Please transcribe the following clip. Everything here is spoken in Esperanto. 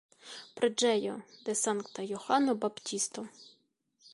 Preĝejo de Sankta Johano Baptisto.